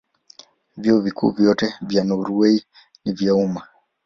Vyuo Vikuu vyote vya Norwei ni vya umma.